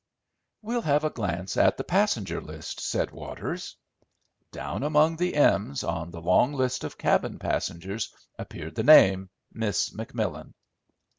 "We'll have a glance at the passenger list," said Waters. Down among the M's on the long list of cabin passengers appeared the name "Miss McMillan."